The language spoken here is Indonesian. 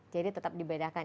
jadi tetap dibedakan